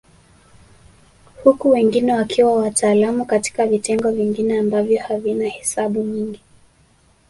Huku wengine wakiwa wataalamu katika vitengo vingine ambavyo havina hesabu nyingi